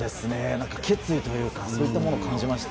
決意というかそういうものを感じました。